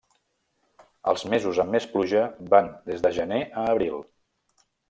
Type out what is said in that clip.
Els mesos amb més pluja van des de gener a abril.